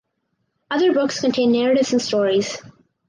Other books contain narratives and stories.